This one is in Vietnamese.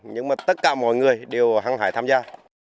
nhưng mà tất cả mọi người đều hăng hải tham gia